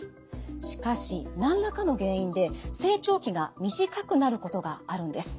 しかし何らかの原因で成長期が短くなることがあるんです。